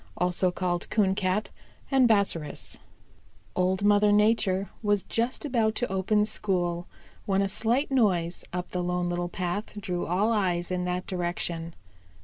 CHAPTER XXXI Bobby Coon Arrives Old Mother Nature was just about to open school when a slight noise up the Lone Little Path drew all eyes in that direction.